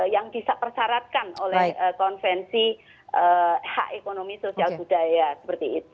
yang bisa persyaratkan oleh konvensi hak ekonomi sosial budaya seperti itu